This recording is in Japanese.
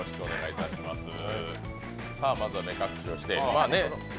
まずは目隠しをして。